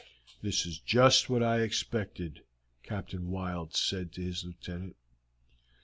"This is just what I expected," Captain Wild said to his lieutenant.